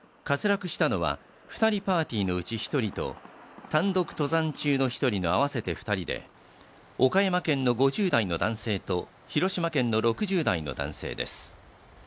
滑落したのは２人パーティーのうち１人と、単独登山中の１人の合わせて２人で岡山県の５０代の男性と広島県の６０代の男性です。